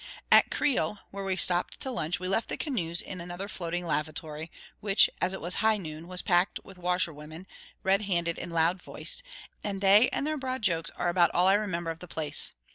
At Creil, where we stopped to lunch, we left the canoes in another floating lavatory, which, as it was high noon, was packed with washerwomen, red handed and loud voiced; and they and their broad jokes are about all I remember of the place.